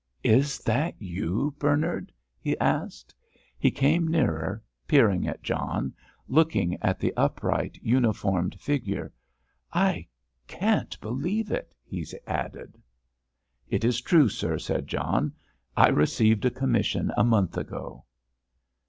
"Is that you, Bernard?" he asked. He came nearer, peering at John, looking at the upright, uniformed figure. "I can't believe it," he added. "It is true, sir," said John. "I received a commission a month ago."